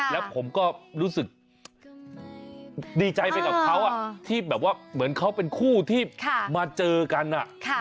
แล้วผมก็รู้สึกดีใจไปกับเขาที่แบบว่าเหมือนเขาเป็นคู่ที่มาเจอกัน